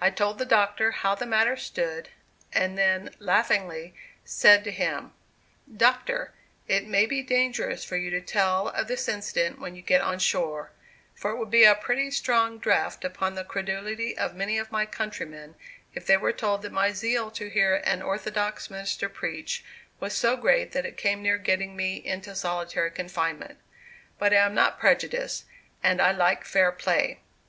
I told the Doctor how the matter stood, and then, laughingly, said to him: "Doctor, it may be dangerous for you to tell of this incident when you get on shore; for it would be a pretty strong draught upon the credulity of many of my countrymen if they were told that my zeal to hear an Orthodox minister preach was so great that it came near getting me into solitary confinement. But I am not prejudiced, and I like fair play."